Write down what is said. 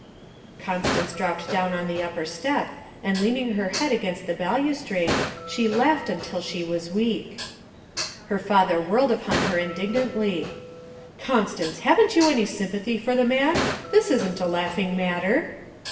Constance dropped down on the upper step, and leaning her head against the balustrade, she laughed until she was weak. Her father whirled upon her indignantly. 'Constance! Haven't you any sympathy for the man? This isn't a laughing matter.'